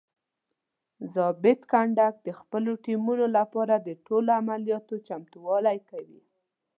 ضابط کنډک د خپلو ټیمونو لپاره د ټولو عملیاتو چمتووالی کوي.